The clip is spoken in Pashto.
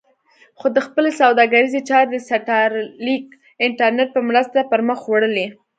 خو ده خپلې سوداګریزې چارې د سټارلېنک انټرنېټ په مرسته پر مخ وړلې.